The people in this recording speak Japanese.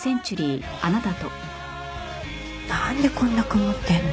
なんでこんな曇ってるの？